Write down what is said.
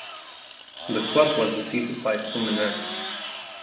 The club was defeated by Fluminense.